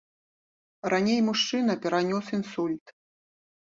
Раней мужчына перанёс інсульт.